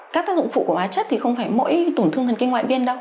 các tác dụng phụ của hóa chất thì không phải mỗi tổn thương thần kinh ngoại biên đâu